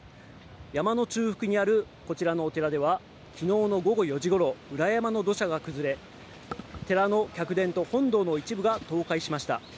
山の中腹にあるこちらのお寺では、きのうの午後４時ごろ、裏山の土砂が崩れ、寺の客殿と本堂の一部が倒壊しました。